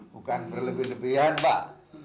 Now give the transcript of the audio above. bukan berlebih lebihan pak